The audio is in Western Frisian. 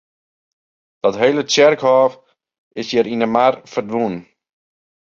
Dat hele tsjerkhôf is hjir yn de mar ferdwûn.